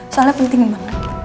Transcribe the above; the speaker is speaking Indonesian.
soalnya penting banget